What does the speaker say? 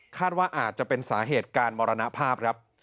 ว่าอาจจะเป็นสาเหตุการมรณภาพครับ